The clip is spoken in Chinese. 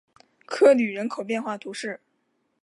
科吕人口变化图示